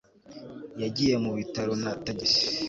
yagiye mu bitaro na tagisi